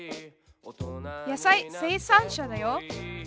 野菜生産者だよ